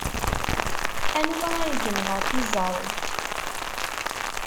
Anwa ay yenɣa Pizarro?